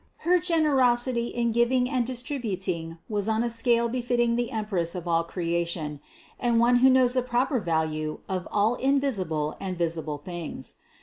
Her generosity in giving and distributing was on a scale befitting the Empress of all creation and one who knows the proper value of all invisible and visible things.